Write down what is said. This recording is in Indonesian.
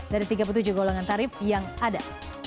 dari tiga puluh tujuh golongan tarif yang ada